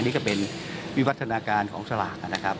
นี่ก็เป็นวิวัฒนาการของสลากนะครับ